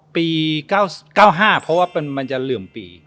ปี๙๕เพราะว่ามันจะเหลื่อมปี